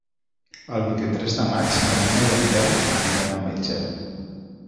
El vint-i-tres de maig na Duna i en Telm aniran al metge.